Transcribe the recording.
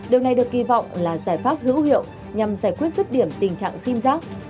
điều này được kỳ vọng là giải pháp hữu hiệu nhằm giải quyết rứt điểm tình trạng sim giác